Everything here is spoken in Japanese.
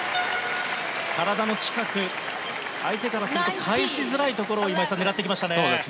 体の近く、相手からすると返しづらいところを今井さん、狙ってきましたね。